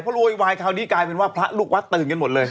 เพราะโวยวายคราวนี้กลายเป็นว่าพระลูกวัดตื่นกันหมดเลย